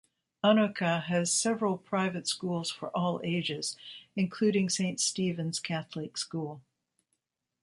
Anoka has several private schools for all ages, including Saint Stephens Catholic School.